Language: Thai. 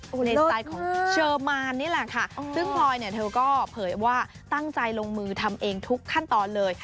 ในสไตล์ของเชอร์มานนี่แหละค่ะซึ่งพลอยเนี่ยเธอก็เผยว่าตั้งใจลงมือทำเองทุกขั้นตอนเลย